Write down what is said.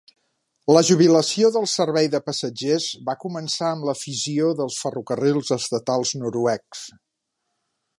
La jubilació del servei de passatgers va començar amb la fissió dels ferrocarrils estatals noruecs.